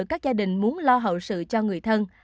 các gia đình muốn lo hậu sự cho người thân